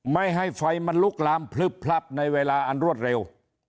ไม่ให้ไฟมันลุกลามพลึบพลับในเวลาอันรวดเร็ว